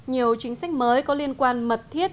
nhiều chính sách mới có liên quan mật thiết